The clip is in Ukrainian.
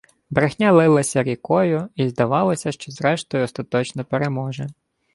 Брехня лилася рікою, й здавалося, що, зрештою, остаточно переможе